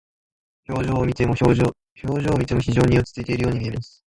表情を見ても非常に落ち着いているように見えます。